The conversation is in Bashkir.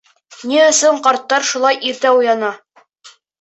Ни өсөн ҡарттар шулай иртә уяна?